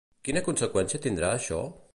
Quina conseqüència tindrà això?